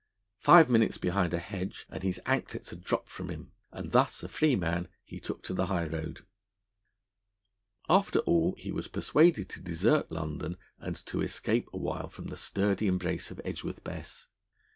Five minutes behind a hedge, and his anklets had dropped from him; and, thus a free man, he took to the high road. After all he was persuaded to desert London and to escape a while from the sturdy embrace of Edgworth Bess.